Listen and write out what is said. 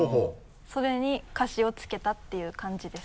それに歌詞をつけたっていう感じです。